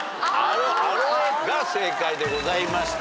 「アロエ」が正解でございました。